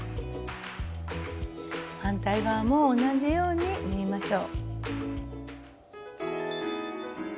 反対側も同じように縫いましょう。